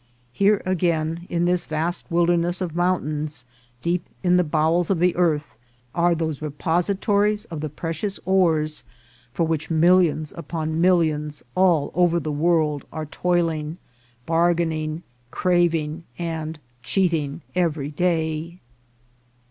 Here again, in this vast wilderness of mountains, deep in the bowels of the earth, are those repositories of the precious ores for which millions upon millions all over the world are toiling, bargaining, cra ving, and cheating every day.